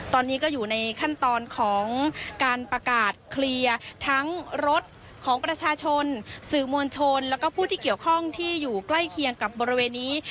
ตอนนี้ก็อยู่ในขั้นตอนของการประกาศเคลียร์ทั้งรถของประชาชนสื่อมวลชนแล้วก็ผู้ที่เกี่ยวข้องที่อยู่ใกล้เคียงกับบริเวณนี้